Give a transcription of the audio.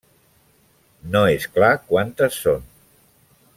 No és clar quantes són.